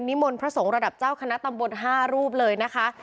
มนต์พระสงฆ์ระดับเจ้าคณะตำบล๕รูปเลยนะคะ